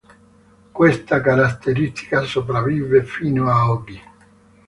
Questa caratteristica sopravvive fino a oggi.